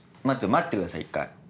待ってください一回。